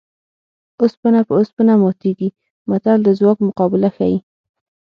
اوسپنه په اوسپنه ماتېږي متل د ځواک مقابله ښيي